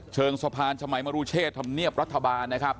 เชิงสะพานชมัยมรุเชษธรรมเนียบรัฐบาลนะครับ